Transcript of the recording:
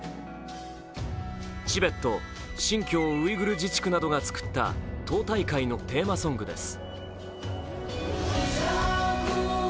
チベット・新疆ウイグル自治区などが作った党大会のテーマソングです。